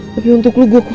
tapi untuk lu gue kuat